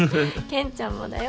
けんちゃんもだよ。